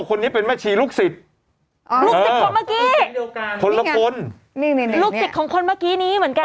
คนนี้เป็นแม่ชีลูกศิษย์เออลูกศิษย์เดียวกันนี่ไงลูกศิษย์ของคนเมื่อกี้นี้เหมือนกัน